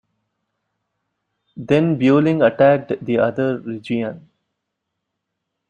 Then Beurling attacked the other Reggiane.